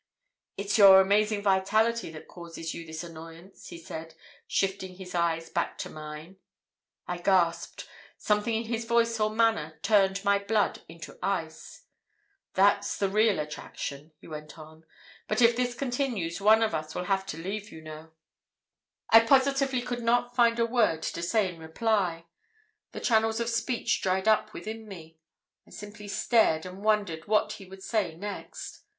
"'It's your amazing vitality that causes you this annoyance,' he said, shifting his eyes back to mine. "I gasped. Something in his voice or manner turned my blood into ice. "'That's the real attraction,' he went on. 'But if this continues one of us will have to leave, you know.' "I positively could not find a word to say in reply. The channels of speech dried up within me. I simply stared and wondered what he would say next.